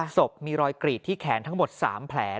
ศพมีรอยกรีดที่แขนทั้งหมด๓แผล